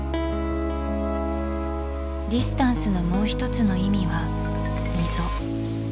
「ディスタンス」のもう一つの意味は「溝」。